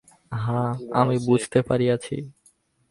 হাঁ, আমি বুঝিতে পারিয়াছি।